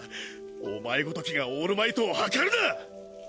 おまえ如きがオールマイトを量るな！